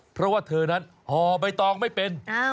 เพราะว่าเธอนั้นห่อใบตองไม่เป็น